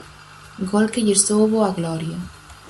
Gol que lle soubo a gloria.